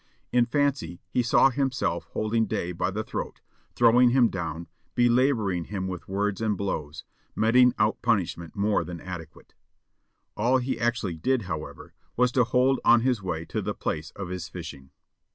In fancy he saw himself holding Day by the throat, throwing him down, belabouring him with words and blows, meting out punishment more than adequate. All that he actually did, however, was to hold on his way to the place of his fishing.